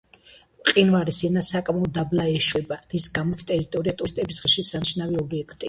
მყინვარის ენა საკმაოდ დაბლა ეშვება, რის გამოც ტერიტორია ტურისტების ღირსშესანიშნავი ობიექტია.